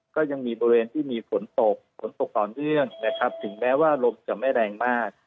ก็ยังมีบริเวณที่มีฝนตกฝนตกต่อเนื่องนะครับถึงแม้ว่าลมจะไม่แรงมาก